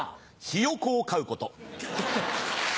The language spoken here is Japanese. ヒヨコを飼うこと。